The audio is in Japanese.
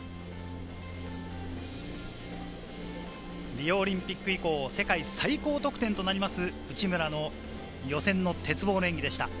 リオオリンピック以降、世界最高得点となります内村の予選の鉄棒の演技でした。